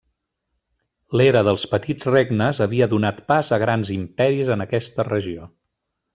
L'era dels petits regnes havia donat pas a grans imperis en aquesta regió.